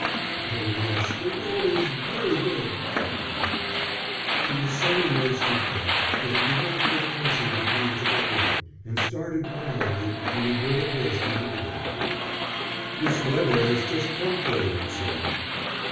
"Oh, yes, the world is very good!" he cried. He was so immersed in thought that he did not hear Ponsonby come into the room, and started violently when he heard a voice behind him. "This letter has just come for you, sir."